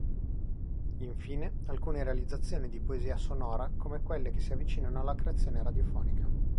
Infine, alcune realizzazioni di poesia sonora come quelle che si avvicinano alla creazione radiofonica.